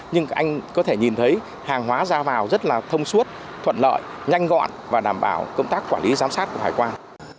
nhưng anh có thể nhìn thấy hàng hóa ra vào rất là thông suốt thuận lợi nhanh gọn và đảm bảo công tác quản lý giám sát của hải quan